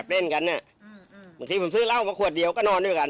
แอบเล่นกันน่ะอืมอืมเมื่อกี้ผมซื้อเหล้ามาขวดเดียวก็นอนด้วยกัน